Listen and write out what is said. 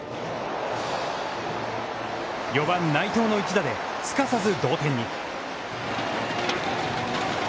４番内藤の一打で、すかさず同点に。